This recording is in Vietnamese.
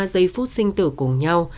giây phút sinh tử cùng nhau